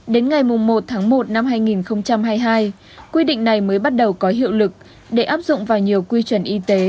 đến ngày một tháng một năm hai nghìn hai mươi hai quy định này mới bắt đầu có hiệu lực để áp dụng vào nhiều quy chuẩn y tế